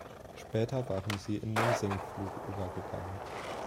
Später waren sie in den Sinkflug übergegangen.